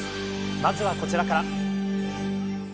まずはこちらから。